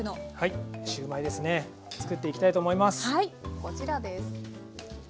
こちらです。